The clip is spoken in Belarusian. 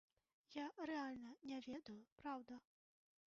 Я рэальна не ведаю, праўда.